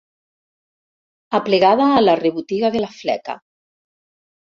Aplegada a la rebotiga de la fleca.